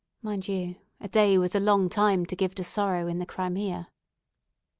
Mind you, a day was a long time to give to sorrow in the Crimea.